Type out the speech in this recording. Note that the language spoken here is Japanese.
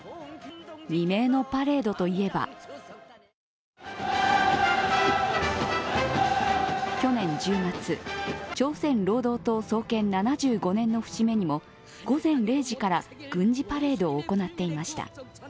未明のパレードといえば去年１０月、朝鮮労働党創建７５年の節目にも午前０時から軍事パレードを行っていました。